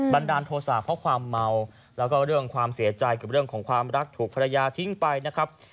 ันดาลโทษะเพราะความเมาแล้วก็เรื่องความเสียใจกับเรื่องของความรักถูกภรรยาทิ้งไปนะครับ